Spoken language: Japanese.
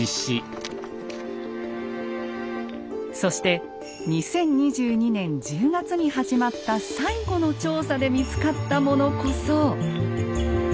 そして２０２２年１０月に始まった最後の調査で見つかったものこそ。